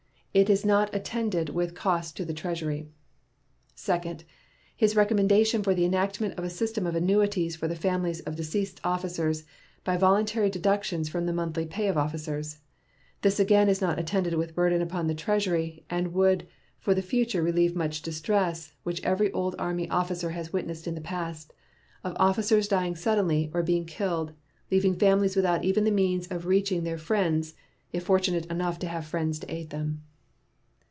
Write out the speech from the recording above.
It is not attended with cost to the Treasury. Second. His recommendation for the enactment of a system of annuities for the families of deceased officers by voluntary deductions from the monthly pay of officers. This again is not attended with burden upon the Treasury, and would for the future relieve much distress which every old army officer has witnessed in the past of officers dying suddenly or being killed, leaving families without even the means of reaching their friends, if fortunate enough to have friends to aid them.